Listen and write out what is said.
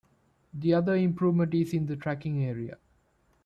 The other improvement is in the tracking area.